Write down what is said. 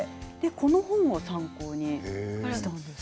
この本を参考にしたんですね。